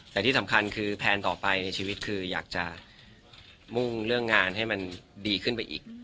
แต่ที่สำคัญคือแพลนต่อไปในชีวิตคืออยากจะมุ่งเรื่องงานให้มันดีขึ้นไปอีก